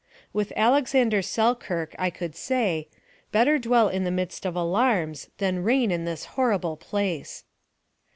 With Alexander Selkirk I could say, " Better dwell in the midst of alarms, than reign in this horrible place."